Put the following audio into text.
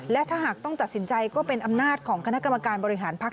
และถ้าหากต้องตัดสินใจก็เป็นอำนาจของคณะกรรมการบริหารพักษ